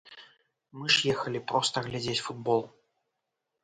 Мы ж ехалі проста глядзець футбол.